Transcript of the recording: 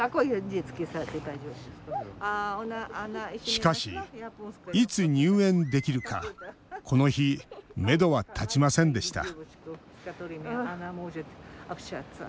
しかし、いつ入園できるかこの日めどは立ちませんでした